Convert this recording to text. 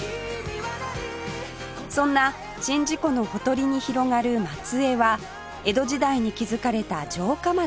そんな宍道湖のほとりに広がる松江は江戸時代に築かれた城下町